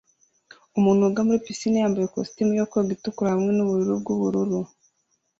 Umuntu woga muri pisine yambaye ikositimu yo koga itukura hamwe nubururu bwubururu